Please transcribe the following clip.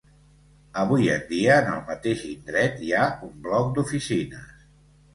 Avui en dia, en el mateix indret, hi ha un bloc d'oficines.